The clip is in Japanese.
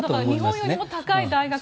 日本よりも高い大学